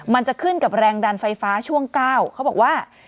มันจะขึ้นกับแรงดันไฟฟ้าช่วง๙เขาบอกว่า